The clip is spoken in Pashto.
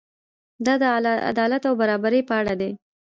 دا د عدالت او برابرۍ په اړه دی.